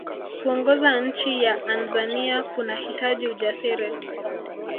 kuongoza nchi ya anzania kunahitaji ujasiri